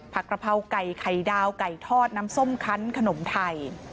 กระเพราไก่ไข่ดาวไก่ทอดน้ำส้มคันขนมไทย